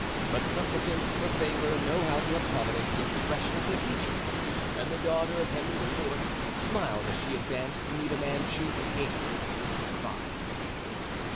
But supplicants for favor know how to accommodate the expression of their features, and the daughter of Henry IV. smiled as she advanced to meet a man she hated and despised.